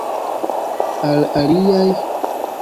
Al aliaj?